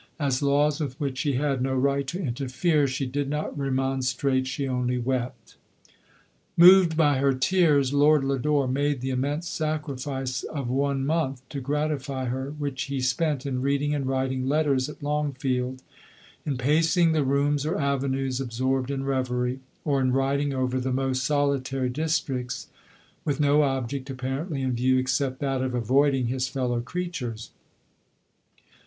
as laws with which she had no right to interfere, LODOTU. 87 she did not remonstrate, she only wept. Moved by her tears, Lord Lodore made the immense sacrifice of one month to gratify her, which he spent in reading and writing letters at Long field, in pacing the rooms or avenues ab sorbed in reverie, or in riding over the most solitary districts, with no object apparently in view, except that of avoiding his fellow crea tures.